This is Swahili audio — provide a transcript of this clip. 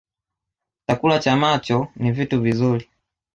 Chakula cha macho ni vitu vizuri